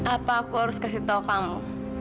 apa aku harus kasih tahu kamu